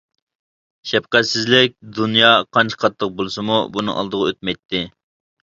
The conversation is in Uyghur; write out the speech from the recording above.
شەپقەتسىزلىك دۇنيا قانچە قاتتىق بولسىمۇ، بۇنىڭ ئالدىغا ئۆتمەيتتى.